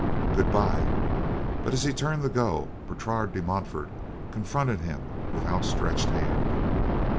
Goodbye." But as he turned to go, Bertrade de Montfort confronted him with outstretched hand.